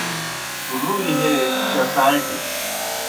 رُوئی ہے چساٹیْ